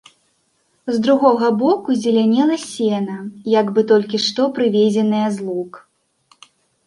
З другога боку зелянела сена, як бы толькі што прывезенае з лук.